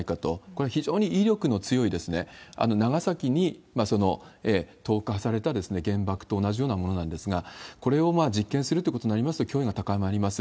これは非常に威力の強い、長崎に投下された原爆と同じようなものなんですが、これを実験するということになりますと、脅威が高まります。